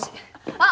あっ